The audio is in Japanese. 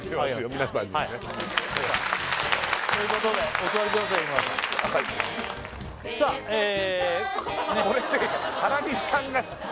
皆さんにねということでお座りください日村さんはいさあええ